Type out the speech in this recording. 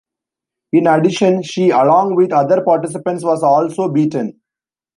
In addition she along with other participants was also beaten.